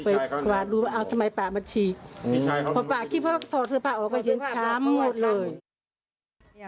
คิดว่ารักษณะเงินสูตรเลย